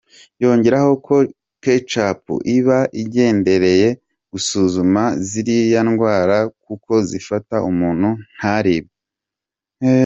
Yongeraho ko checkup iba igendereye gusuzuma ziriya ndwara kuko zifata umuntu ntaribwe.